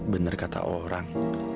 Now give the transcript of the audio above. bener kata orang